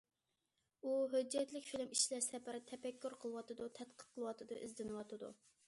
ئۇ ھۆججەتلىك فىلىم ئىشلەش سەپىرىدە تەپەككۇر قىلىۋاتىدۇ، تەتقىق قىلىۋاتىدۇ، ئىزدىنىۋاتىدۇ.